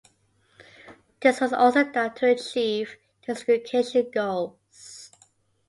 This was also done to achieve desegregation goals.